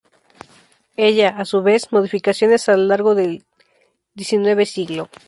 Ella, a su vez, modificaciones a lo largo del xix siglo.